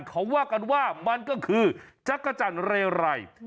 เขาว่ากันว่ามันก็คือจักรจันทร์เรไร